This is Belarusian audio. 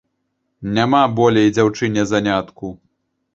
Няма болей дзяўчыне занятку.